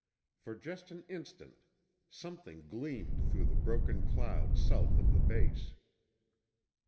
For just an instant, something gleamed through the broken clouds south of the base.